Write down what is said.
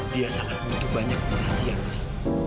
dia sangat butuh banyak perhatian mas